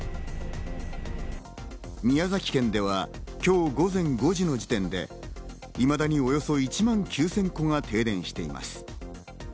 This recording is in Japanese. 宮崎県では今日午前５時の時点でいまだにおよそ１万９０００戸が停電しています。